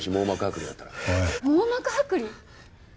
網膜剥離！？